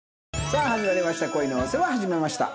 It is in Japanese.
さあ始まりました